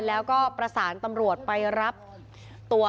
แล้วก็ประสานตำรวจไปรับตัว